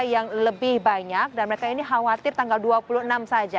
yang lebih banyak dan mereka ini khawatir tanggal dua puluh enam saja